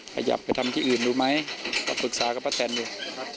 ขยับไปทำที่อื่นดูไหมก็ปรึกษากับป้าแตนดู